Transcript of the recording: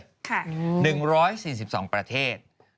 ค่ะ๑๔๒ประเทศ